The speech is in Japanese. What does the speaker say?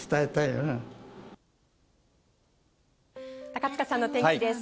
高塚さんのお天気です。